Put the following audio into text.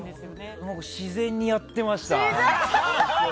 自然にやってました。